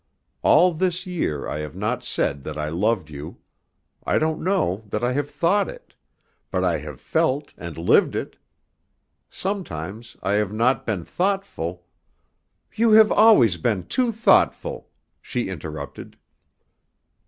All this year I have not said that I loved you; I don't know that I have thought it, but I have felt and lived it. Sometimes I have not been thoughtful " "You have always been too thoughtful," she interrupted.